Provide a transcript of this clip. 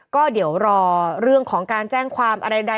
ก็เดี๋ยวรอเรื่องของการแจ้งความอะไรใด